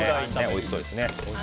おいしそうですね。